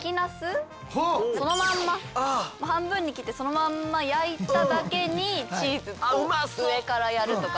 そのまんま半分に切ってそのまんま焼いただけにチーズを上からやるとか。